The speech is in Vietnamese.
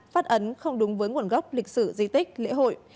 phát ấn không đúng với nguồn gốc lịch sử di tích lễ hội